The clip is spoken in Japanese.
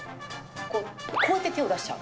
こう、こうやって手を出しちゃう。